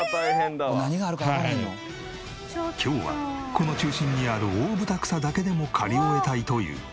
今日はこの中心にあるオオブタクサだけでも刈り終えたいという。